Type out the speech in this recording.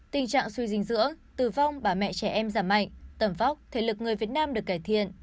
tình trạng suy dinh dưỡng tử vong bà mẹ trẻ em giảm mạnh tầm vóc thể lực người việt nam được cải thiện